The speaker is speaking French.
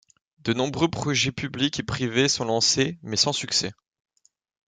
De nombreux projets publics et privés sont lancés mais sans succès.